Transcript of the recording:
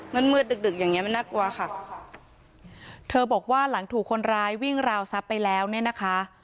มันมืดดึกดึกอย่างเงี้มันน่ากลัวค่ะเธอบอกว่าหลังถูกคนร้ายวิ่งราวทรัพย์ไปแล้วเนี่ยนะคะ